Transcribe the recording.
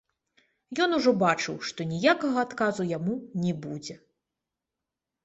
Ён ужо бачыў, што ніякага адказу яму не будзе.